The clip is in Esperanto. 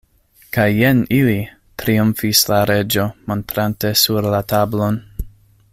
"Kaj jen ili," triumfis la Reĝo, montrante sur la tablon.